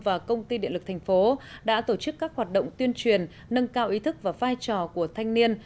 và công ty điện lực thành phố đã tổ chức các hoạt động tuyên truyền nâng cao ý thức và vai trò của thanh niên